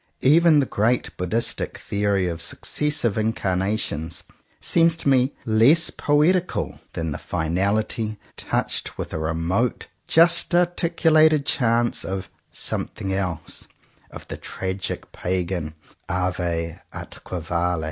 Even the great Buddhistic theory of successive incarnations seems to me less poetical than the finality, touched with a remote just articulated chance of '^something else," of the tragic pagan ^'ave atque vale!''